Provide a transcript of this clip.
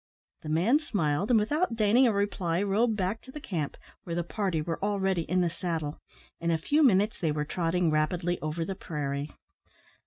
The man smiled, and without deigning a reply, rode back to the camp, where the party were already in the saddle. In a few minutes they were trotting rapidly over the prairie.